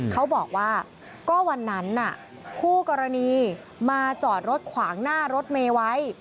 เขาบอกว่าก็วันนั้นคู่กรณีมาจอดรถขวางหน้ารถเมย์ไว้